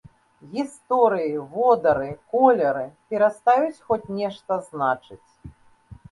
Гісторыі, водары, колеры перастаюць хоць нешта значыць.